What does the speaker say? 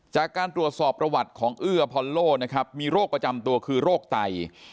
จากการตรวจสอบประวัติของเอื้อพอลโลนะครับมีโรคประจำตัวคือโรคไต